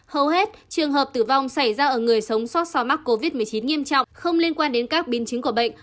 hầu hết trường hợp tử vong xảy ra ở người sống sót sau mắc covid một mươi chín nghiêm trọng không liên quan đến các biến chứng của bệnh